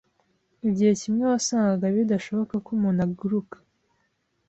Igihe kimwe wasangaga bidashoboka ko umuntu aguruka.